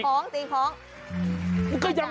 ละทานตีของตีของ